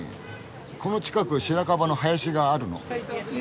この近くシラカバの林があるの？